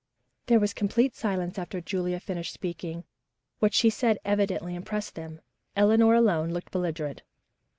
There was complete silence after Julia finished speaking. What she had said evidently impressed them. Eleanor alone looked belligerent.